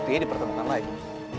buktinya di pertemuan lain